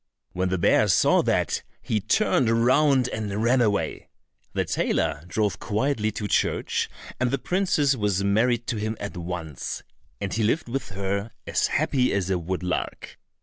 When the bear saw that, he turned round and ran away. The tailor drove quietly to church, and the princess was married to him at once, and he lived with her as happy as a woodlark.